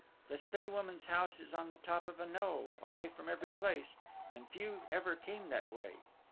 The Spae Woman's house is on the top of a knowe, away from every place, and few ever came that way.